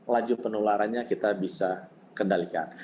laju penularannya kita bisa kendalikan